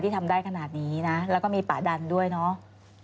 ทำได้ขนาดนี้นะแล้วก็มีป่าดันด้วยเนาะ